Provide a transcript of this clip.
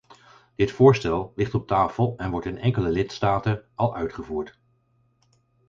Dit voorstel ligt op tafel en wordt in enkele lidstaten al uitgevoerd.